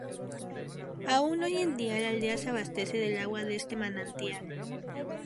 Aún hoy dia la aldea se abastece del agua de este manantial.